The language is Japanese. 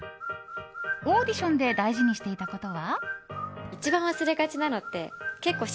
オーディションで大事にしていたことは？